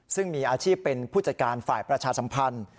ซึ่งมีอาชีพเป็นผู้จัดการฝ่ายประชาสัมพันธ์